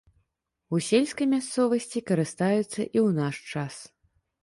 У сельскай мясцовасці карыстаюцца і ў наш час.